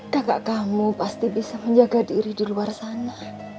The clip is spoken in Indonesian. dagak kamu pasti bisa menjaga diri di luar sana